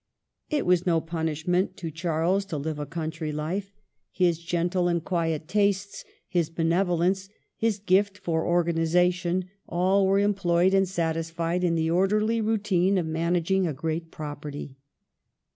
It was no punishment to Charles to live a country life. His gentle and CHILDHOOD AND MARRIAGE. 1/ quiet tastes, his benevolence, his gift for organi zation, all were employed , and satisfied in the orderly routine of managing a great property.